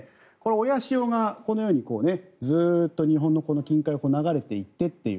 親潮がこのようにずっと日本の近海を流れていってという。